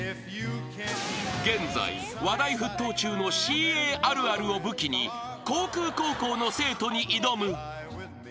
［現在話題沸騰中のＣＡあるあるを武器に航空高校の生徒に挑む］